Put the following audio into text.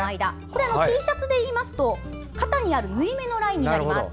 これはＴシャツでいいますと肩にある縫い目のラインです。